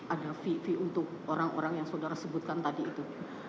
ada vv untuk orang orang yang saudara sebutkan tadi itu